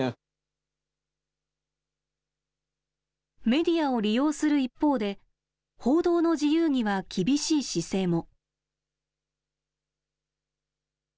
メディアを利用する一方で、報道の自由には厳しい姿勢も。